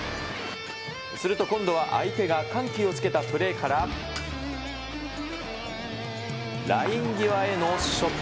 すると今度は相手が緩急をつけたプレーから、ライン際へのショット。